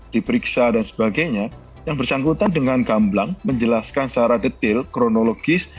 diperiksa dan sebagainya yang bersangkutan dengan gamblang menjelaskan secara detail kronologis